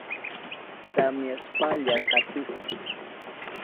Tamyashpalla katihun.